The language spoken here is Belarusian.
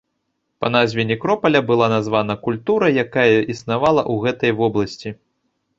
Па назве некропаля была названа культура, якая існавала ў гэтай вобласці.